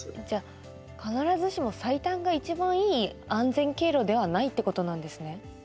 じゃあ必ずしも最短が一番いい安全経路ではないってことなんですね。